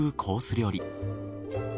料理。